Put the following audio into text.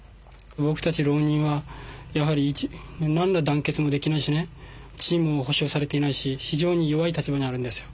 僕たち浪人はやはり何の団結もできないしね地位も保障されていないし非常に弱い立場にあるんですよ。